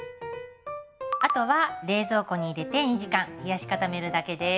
あとは冷蔵庫に入れて２時間冷やし固めるだけです。